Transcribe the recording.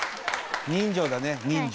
人情だね人情。